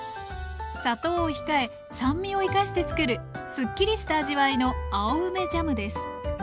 砂糖を控え酸味を生かして作るすっきりした味わいの青梅ジャムです